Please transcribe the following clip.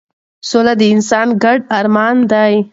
سوله د انسان ګډ ارمان دی